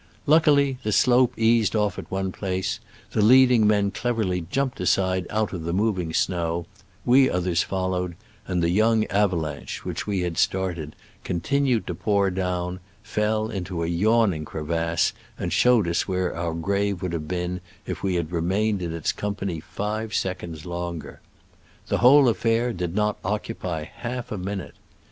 Luckily, the slope eased off at one place, the leading men clev erly jumped aside out of the moving snow, we others followed, and the young avalanche which we had started, con tinuing to pour down, fell into a yawn ing crevasse, and showed us where our grave would have been if we had re mained in its company five seconds longer. The whole affair did not occupy half a minute.